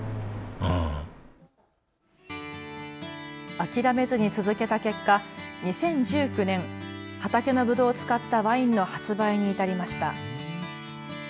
諦めずに続けた結果、２０１９年、畑のぶどうを使ったワインの発売に至りました。